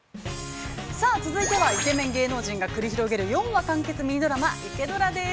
◆さあ続いては、イケメン芸能人が繰り広げる、４話完結ミニドラマ、「イケドラ」です。